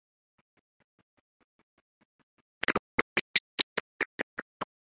The taboo relationship is reciprocal.